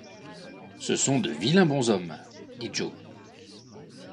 Ce sont de vilains bonshommes ! dit Joe.